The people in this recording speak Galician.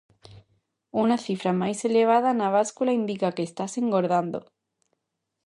Unha cifra máis elevada na báscula indica que estás engordando.